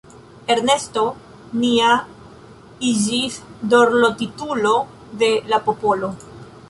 Ernesto nia iĝis dorlotitulo de la popolo.